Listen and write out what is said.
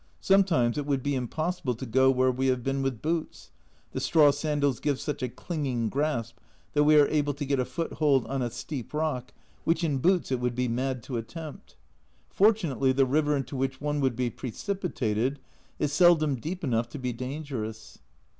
Sometimes it would be impossible to go where we have been with boots, the straw sandals give such a clinging grasp that we are able to get a foothold on a steep rock which in boots it would be mad to attempt. Fortunately the river into which one would be precipitated is seldom deep enough to be dangerous.